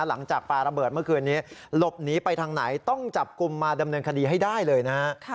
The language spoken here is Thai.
หลังจากปลาระเบิดเมื่อคืนนี้หลบหนีไปทางไหนต้องจับกลุ่มมาดำเนินคดีให้ได้เลยนะฮะ